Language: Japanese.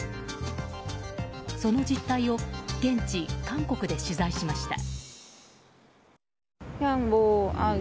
その実態を現地・韓国で取材しました。